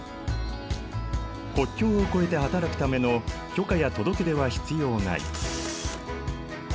国境を越えて働くための許可や届け出は必要ない。